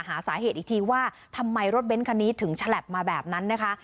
หาสาเหตุอีกทีว่าทำไมรถเบ้นคันนี้ถึงฉลับมาแบบนั้นนะคะ